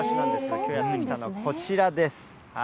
きょう来たのはこちらです。